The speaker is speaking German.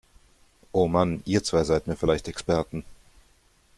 Oh Mann, ihr zwei seid mir vielleicht Experten!